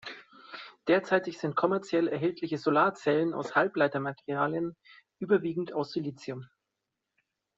Derzeitig sind kommerziell erhältliche Solarzellen aus Halbleitermaterialien, überwiegend aus Silicium.